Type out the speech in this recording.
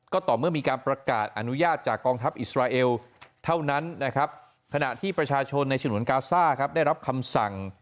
ก็ต่อเมื่อมีการประกาศอนุญาตจากกองทัพอิสราเอลเท่านั้นนะครับขณะที่ประชาชนในฉนวนกาซ่าครับได้รับคำสั่ง